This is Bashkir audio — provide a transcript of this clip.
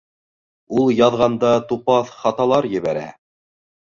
Ул яҙғанда тупаҫ хаталар ебәрә